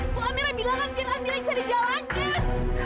bu amira bilangkan biar amira yang cari jalannya